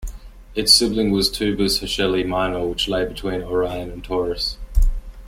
Its sibling was Tubus Hershelli Minor, which lay between Orion and Taurus.